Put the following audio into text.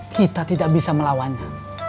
kita tidak bisa melawannya